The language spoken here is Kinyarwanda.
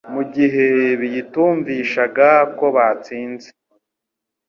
Mu gihe biytunvishaga ko batsinze,